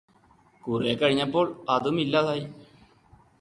കുറെ കഴിഞ്ഞപ്പോള് അതും ഇല്ലാതായി